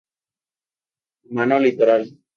Humano litoral".